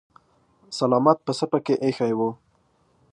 سلامت پسه پکې ايښی و.